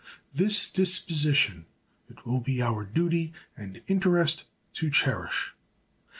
This disposition it will be our duty and interest to cherish.